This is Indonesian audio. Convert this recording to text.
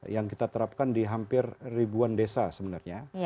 yang kita terapkan di hampir ribuan desa sebenarnya